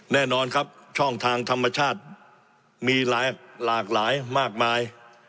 แน่นอนครับช่องทางธรรมชาติมีหลากหลายมากมาย